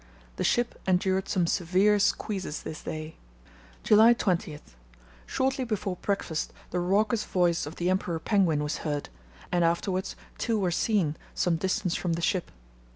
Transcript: The ship endured some severe squeezes this day. "July 20.—Shortly before breakfast the raucous voice of the emperor penguin was heard, and afterwards two were seen some distance from the ship....